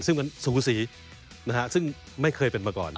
ซึ่งมันสูสีซึ่งไม่เคยเป็นมาก่อน